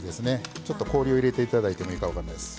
ちょっと氷を入れていただいてもいいかもしれないです。